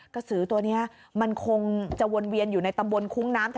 สือตัวนี้มันคงจะวนเวียนอยู่ในตำบลคุ้งน้ำ